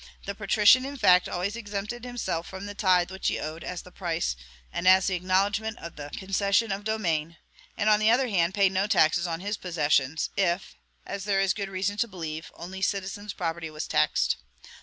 The patrician, in fact, always exempted himself from the tithe which he owed as the price and as the acknowledgment of the concession of domain; and, on the other hand, paid no taxes on his POSSESSIONS, if, as there is good reason to believe, only citizens' property was taxed."